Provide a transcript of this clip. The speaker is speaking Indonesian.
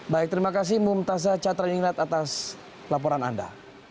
baik terima kasih mumtasa catra yingrat atas laporan anda